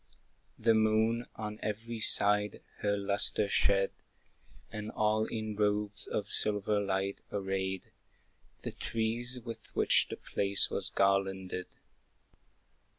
The moon on every side her lustre shed, And all in robes of silver light arrayed The trees with which the place was garlanded.